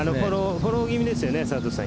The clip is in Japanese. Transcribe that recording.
フォロー気味ですよね佐藤さん。